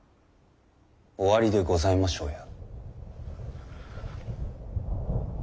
おありでございましょうや。